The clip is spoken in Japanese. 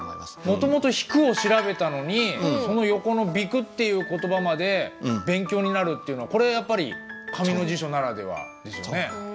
もともと「引く」を調べたのにその横の「比丘」っていう言葉まで勉強になるっていうのはこれやっぱり紙の辞書ならではですよね。